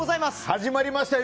始まりましたよ